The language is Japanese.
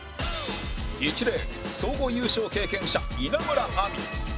１レーン総合優勝経験者稲村亜美